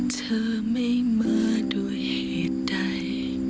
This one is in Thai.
เธอไม่มาด้วยเหตุใด